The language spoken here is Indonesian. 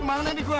kemana nih gua